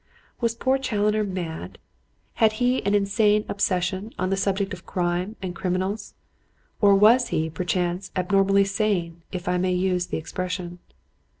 Was poor Challoner mad? Had he an insane obsession on the subject of crime and criminals? Or was he, perchance, abnormally sane, if I may use the expression?